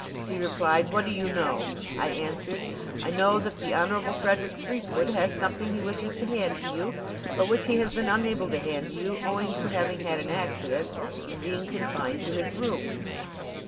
He replied: 'What do you know?' I answered: 'I know that the Honorable Frederick Threepwood has something he wishes to hand to you, but which he has been unable to hand to you owing to having had an accident and being confined to his room.'